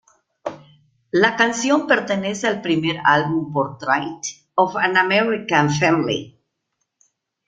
La canción pertenece al primer álbum Portrait of an American Family.